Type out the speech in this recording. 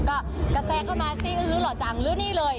ก็แสดงเข้ามาซิรู้หรอจังรู้นี่เลย